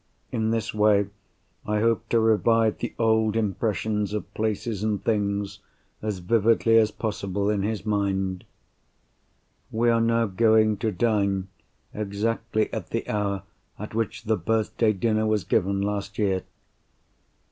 In this way, I hope to revive the old impressions of places and things as vividly as possible in his mind. We are now going to dine, exactly at the hour at which the birthday dinner was given last year.